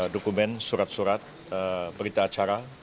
dokumen surat surat berita acara